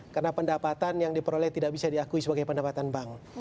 karena pendapatan yang diperoleh tidak bisa diakui sebagai pendapatan bank